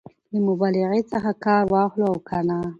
له مبالغې څخه کار واخلو او که نه؟